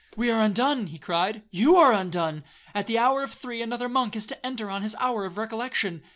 'We are undone,' he cried; 'you are undone. At the hour of three another monk is to enter on his hour of recollection.'